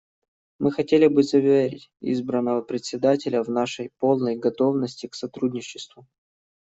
Мы хотели бы заверить избранного Председателя в нашей полной готовности к сотрудничеству.